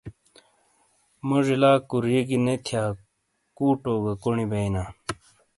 موزی لا کوریگی نے تھیا کوٹو گہ کونی بئیناں۔